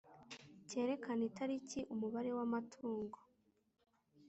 cyerekana itariki umubare w amatungo